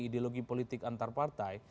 ideologi politik antar partai